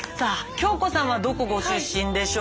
京子さんはどこご出身でしょう？